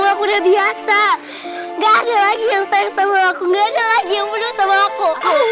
aku udah biasa gak ada lagi yang sayang sama aku gak ada lagi yang bener sama aku